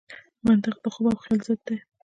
منطق د خوب او خیال ضد دی.